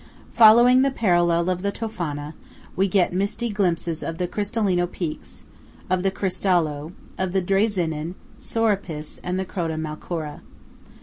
Following the parallel of the Tofana, we get misty glimpses of the Cristallino peaks, of the Cristallo, of the Drei Zinnen, Sorapis, and the Croda Malcora.